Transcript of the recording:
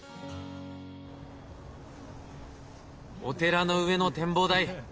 お寺の上の展望台。